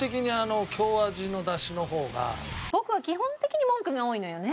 ボクは基本的に文句が多いのよね。